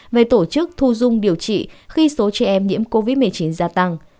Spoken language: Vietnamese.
về tổ chức thu dung điều trị khi số trẻ em nhiễm covid một mươi chín gia tăng